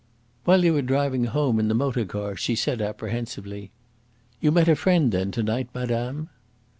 While they were driving home in the motor car she said apprehensively: "You met a friend then, to night, madame?"